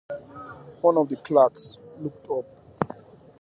One of the clerks looked up.